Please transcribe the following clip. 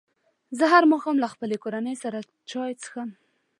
زه هر ماښام له خپلې کورنۍ سره چای څښم.